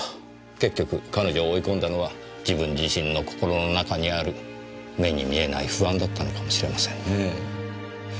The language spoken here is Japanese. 結局彼女を追い込んだのは自分自身の心の中にある目に見えない不安だったのかもしれませんねぇ。